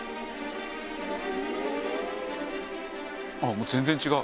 もう全然違う。